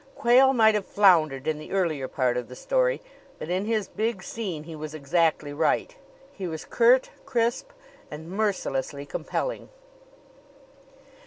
Quayle might have floundered in the earlier part of the story, but in his big scene he was exactly right. He was curt, crisp and mercilessly compelling.